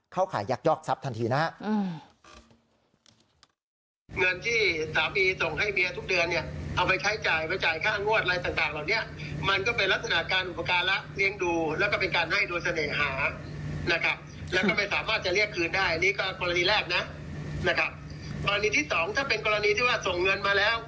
เข้าขายยักยอกทรัพย์ทันทีนะฮะ